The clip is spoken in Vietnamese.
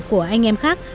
của anh em khác